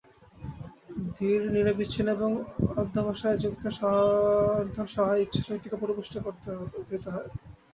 ধীর, নিরবচ্ছিন্ন এবং অধ্যবসায়যুক্ত সাধনসহায়ে ইচ্ছাশক্তিকে পরিপুষ্ট করিতে হয়।